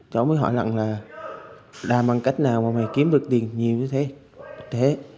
cháu mới hỏi lặng là đàm bằng cách nào mà mày kiếm được tiền nhiều như thế